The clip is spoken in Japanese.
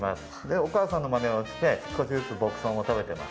お母さんのまねをして少しずつ牧草も食べております。